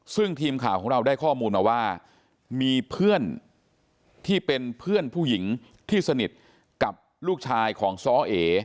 ซึ่งทีมข่าวของเราได้ข้อมูลมาว่ามีเพื่อนที่เป็นเพื่อนผู้หญิงที่สนิทกับลูกชายของซ้อเอ